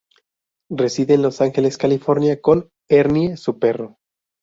Reside en Los Ángeles, California con Ernie, su perro.